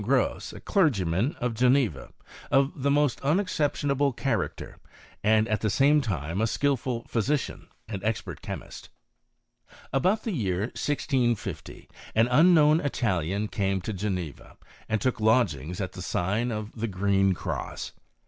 Gros, a clergyman of Greneva, of the most un exceptionable character, and at the same time a skil^ ful physician and expert chemist : About the year 1650 an unknown Italian came to Geneva, and took lodgings at the sigif of the Cfreen Cross.